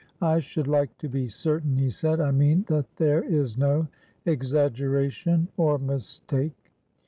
"I should like to be certain," he said. "I mean, that there is no exaggeration or mistake."